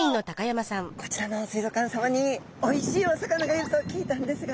こちらの水族館さまにおいしいお魚がいると聞いたんですが。